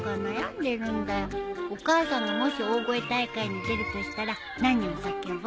お母さんがもし大声大会に出るとしたら何を叫ぶ？